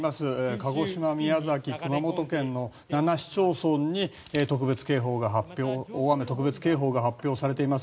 鹿児島、宮崎、熊本県の７市町村に大雨特別警報が発表されています。